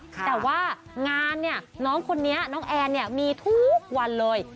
แต่ว่างานเนี่ยน้องคนนี้น้องแอนเนี่ยมีทุกวันเลย